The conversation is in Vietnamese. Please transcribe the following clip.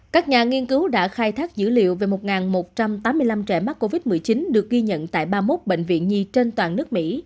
các nhà nghiên cứu đã khai thác dữ liệu về một một trăm tám mươi năm trẻ mắc covid một mươi chín được ghi nhận tại ba mươi một bệnh viện nhi trên toàn nước mỹ